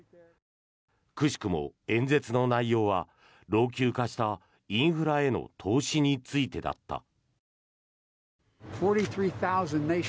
くしくも演説の内容は老朽化したインフラへの投資についてだった。